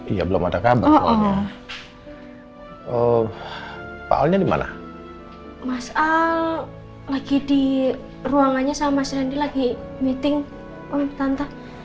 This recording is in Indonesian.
iya belum ada kabar soalnya dimana mas a lagi di ruangannya sama mas randy lagi meeting om tante